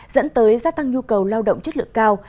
dẫn tới gia tăng nhu cầu lao động chất lượng cao